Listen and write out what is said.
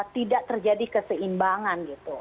tidak terjadi keseimbangan gitu